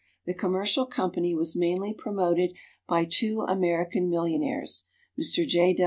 The "Commercial" Company was mainly promoted by two American millionaires, Mr. J.